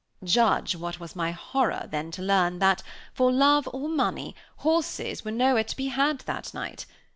Judge what was my horror then to learn that, for love or money, horses were nowhere to be had that night.